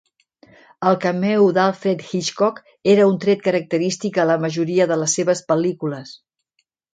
El cameo d'Alfred Hitchcock era un tret característic a la majoria de les seves pel·lícules.